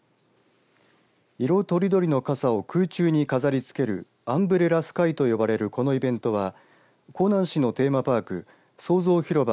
色とりどりの傘を空中に飾りつけるアンブレラスカイと呼ばれるこのイベントは香南市のテーマパーク創造広場